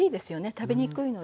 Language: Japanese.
食べにくいので。